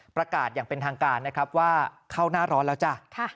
ประกาศอย่างเป็นทางการนะครับว่าเข้าหน้าร้อนแล้วจ้ะ